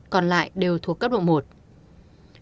còn lại đều thuộc cấp độ một